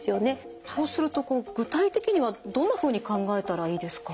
そうするとこう具体的にはどんなふうに考えたらいいですか？